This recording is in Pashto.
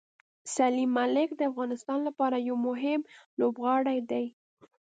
سلیم ملک د افغانستان لپاره یو مهم لوبغاړی دی.